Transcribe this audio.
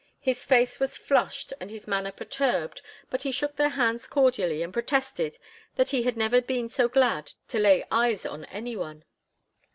His face was flushed and his manner perturbed, but he shook their hands cordially and protested that he had never been so glad to lay eyes on any one.